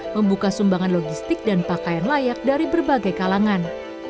membuka sumbangan logistik dan pakaian layak dari berbagai kalangan